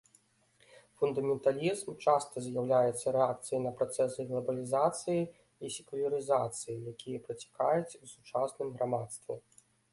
Фундаменталізм часта з'яўляецца рэакцыяй на працэсы глабалізацыі і секулярызацыі, якія працякаюць у сучасным грамадстве.